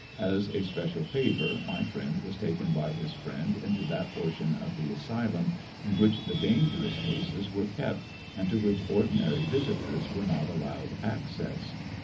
As a special favor my friend was taken by his friend into that portion of the asylum in which the dangerous cases were kept, and to which ordinary visitors were not allowed access.